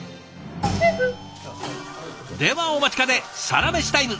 ではお待ちかねサラメシタイム。